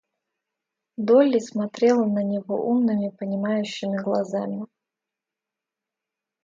Долли смотрела на него умными, понимающими глазами.